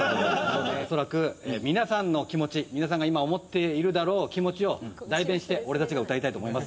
恐らく、皆さんが今思っているであろう気持ちを代弁して俺たちが歌いたいと思います。